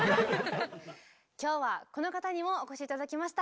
今日はこの方にもお越し頂きました。